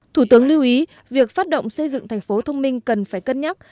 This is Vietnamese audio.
thủ tướng lưu ý việc phát động xây dựng thành phố thông minh cần phải cân nhắc